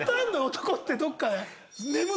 男ってどこかで。